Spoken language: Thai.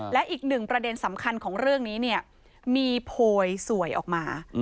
และอีกหนึ่งประเด็นสำคัญของเรื่องนี้เนี่ยมีโพยสวยออกมา